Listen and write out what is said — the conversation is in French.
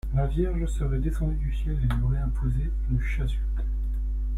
La Vierge serait descendue du ciel et lui aurait imposé une chasuble.